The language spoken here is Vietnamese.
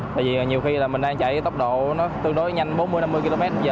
bởi vì nhiều khi là mình đang chạy tốc độ nó tương đối nhanh bốn mươi năm mươi kmh